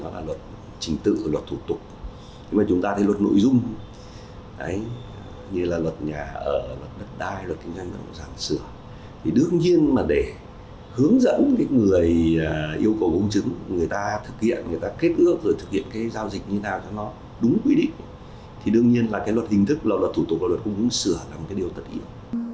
luật hình thức luật thủ tục luật công chứng sửa là một điều tất nhiên